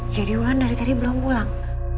jadi wulan dari tadi belum pulang